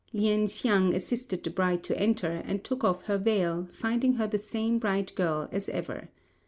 Lien hsiang assisted the bride to enter, and took off her veil, finding her the same bright girl as ever.